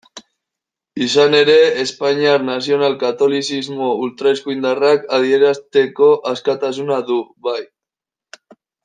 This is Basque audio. Izan ere, espainiar nazional-katolizismo ultraeskuindarrak adierazteko askatasuna du, bai.